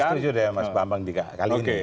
saya setuju deh mas bambang juga kali ini